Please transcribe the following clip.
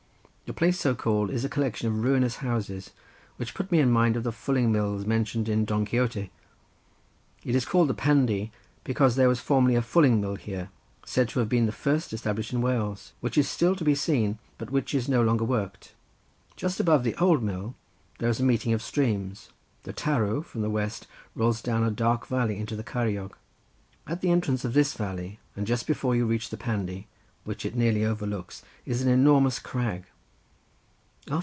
The place so called is a collection of ruinous houses, which put me in mind of the Fulling mills mentioned in Don Quixote. It is called the Pandy because there was formerly a fulling mill here, said to have been the first established in Wales; which is still to be seen, but which is no longer worked. Just above the old mill there is a meeting of streams: the Tarw from the west rolls down a dark valley into the Ceiriog. At the entrance of this valley and just before you reach the Pandy, which it nearly overhangs, is an enormous crag.